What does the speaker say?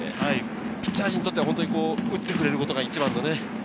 ピッチャー陣にとっては打ってくれることが一番ですね。